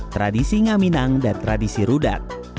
tradisi ngaminang dan tradisi rudat